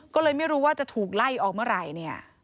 ก็เลยไม่รู้ว่าจะถูกไล่ออกเมื่อไหร่เนี่ย